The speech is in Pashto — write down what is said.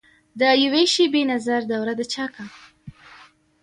دیوي شیبي نظر دوره دچاکه